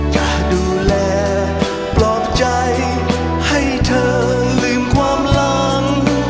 จะดูแลปลอบใจให้เธอลืมความหลัง